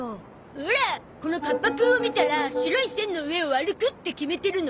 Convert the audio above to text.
オラこのカッパくんを見たら白い線の上を歩くって決めてるの。